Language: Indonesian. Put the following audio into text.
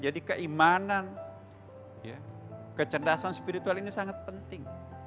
keimanan kecerdasan spiritual ini sangat penting